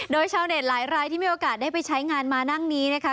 โดยชาวเน็ตหลายรายที่มีโอกาสได้ไปใช้งานมานั่งนี้นะคะ